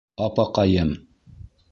Апаҡайым